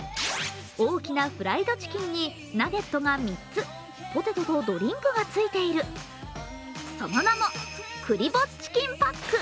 大きなフライドチキンにナゲットが３つ、ポテトとドリンクがついているその名もクリぼっちキンパック。